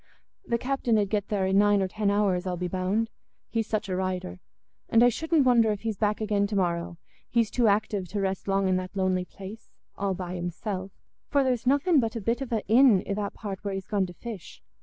The captain 'ud get there in nine or ten hours, I'll be bound, he's such a rider. And I shouldn't wonder if he's back again to morrow; he's too active to rest long in that lonely place, all by himself, for there's nothing but a bit of a inn i' that part where he's gone to fish.